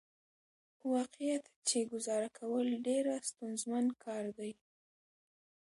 واقعيت چې ګزاره کول ډېره ستونزمن کار دى .